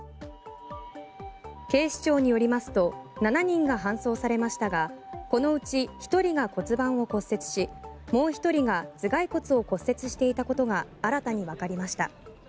警視庁によりますと７人が搬送されましたがこのうち１人が骨盤を骨折しもう１人が頭蓋骨を骨折していたことが新たにわかりました。